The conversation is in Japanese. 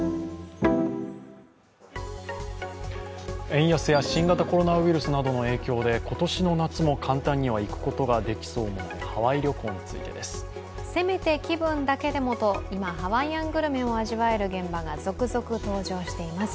円安や新型コロナウイルスの影響で簡単には行くことができそうもないせめて気分だけでもと今、ハワイアングルメを味わえる現場が続々登場しています。